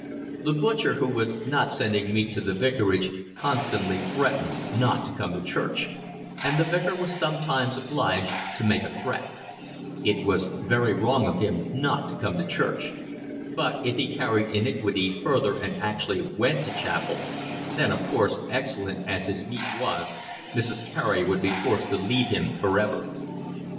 The butcher who was not sending meat to the vicarage constantly threatened not to come to church, and the Vicar was sometimes obliged to make a threat: it was very wrong of him not to come to church, but if he carried iniquity further and actually went to chapel, then of course, excellent as his meat was, Mr. Carey would be forced to leave him for ever.